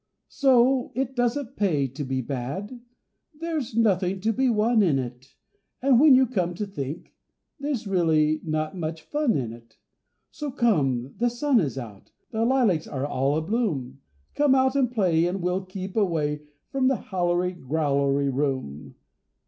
So it doesn't pay to be bad,— There's nothing to be won in it; And when you come to think, There's really not much fun in it. So, come! the sun is out, The lilacs are all a bloom; Come out and play, and we'll keep away From the Howlery Growlery room.